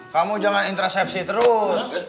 kamu jangan intersepsi terus